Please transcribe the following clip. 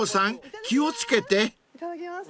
いただきます。